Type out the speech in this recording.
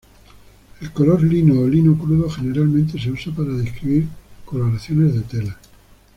El color lino o lino crudo generalmente se usa para describir coloraciones de telas.